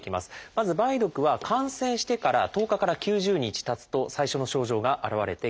まず梅毒は感染してから１０日から９０日たつと最初の症状が現れてきます。